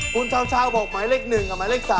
คุณชาวบอกหมายเลข๑กับหมายเลข๓